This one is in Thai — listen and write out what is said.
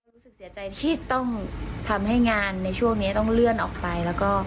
รู้สึกเสียใจที่ต้องทำให้งานในช่วงนี้ต้องเลื่อนออกไปแล้วก็